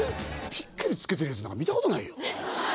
ピッケルつけてるヤツなんか見たことないよ。